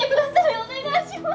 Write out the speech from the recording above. お願いします